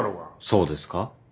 そうですか？